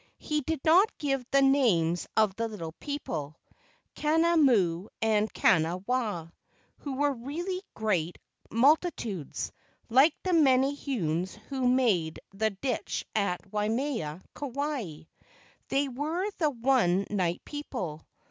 He did not give the names of the little people, Kana mu and Kana wa, who were really great multitudes, like the menehunes who made the ditch at Waimea, Kauai. They were the one night people.